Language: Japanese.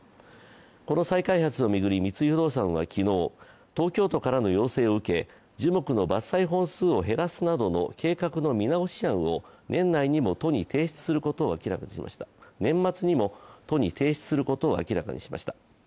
この再開発を巡り三井不動産は昨日、東京都からの要請を受け樹木の伐採本数を減らすなどの計画の見直し案を年末にも都に提出することを明らかにしました。